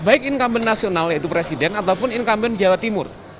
baik incumbent nasional yaitu presiden ataupun incumbent jawa timur